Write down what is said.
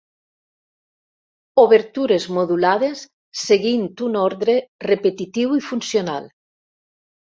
Obertures modulades seguint un ordre repetitiu i funcional.